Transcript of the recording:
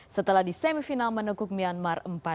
setelah di semifinal menekuk myanmar empat dua